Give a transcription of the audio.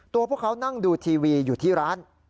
พวกเขานั่งดูทีวีอยู่ที่ร้าน